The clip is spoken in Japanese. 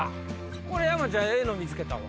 これ山ちゃんええの見つけたわ。